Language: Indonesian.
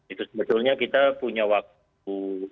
itu sebetulnya kita punya waktu